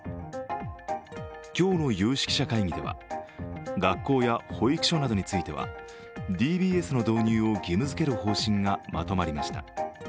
今日の有識者会議では学校や保育所などについてはＤＢＳの導入を義務づける方針がまとまりました。